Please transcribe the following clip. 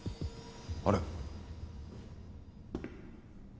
あれ。